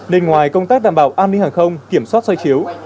nên ngoài công tác đảm bảo an ninh hàng không kiểm soát xoay chiếu